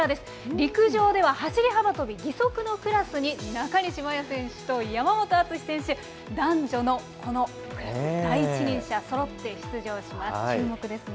陸上では走り幅跳び義足のクラスに、中西麻耶選手と山本篤選手、男女のこの第一人者、そろって出注目ですね。